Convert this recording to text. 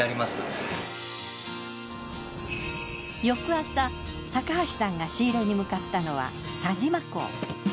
翌朝高橋さんが仕入れに向かったのは佐島港。